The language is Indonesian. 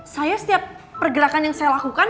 saya setiap pergerakan yang saya lakukan